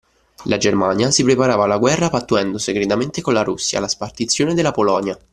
La Germania si preparava alla guerra pattuendo segretamente con la Russia la spartizione della Polonia.